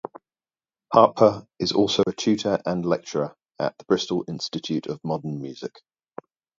Harper is also a tutor and lecturer at the Bristol Institute of Modern Music.